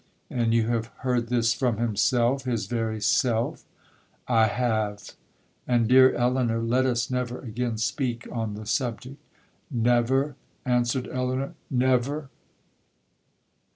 '—'And you have heard this from himself—his very self?'—'I have; and, dear Elinor, let us never again speak on the subject.'—'Never!' answered Elinor,—'Never!'